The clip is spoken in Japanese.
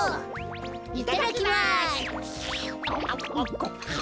いただきます！